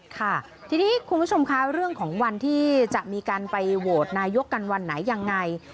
ค่ะทีนี้คุณผู้ชมคะเรื่องของวันที่จะมีการไปโหวตนายกกันวันไหนยังไง